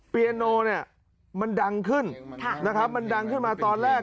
เปียโนมันดังขึ้นมันดังขึ้นมาตอนแรก